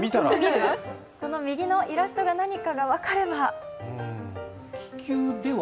右のイラストが何か分かれば。